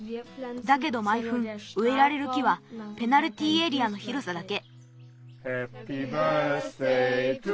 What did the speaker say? だけどまいふんうえられる木はペナルティーエリアのひろさだけ。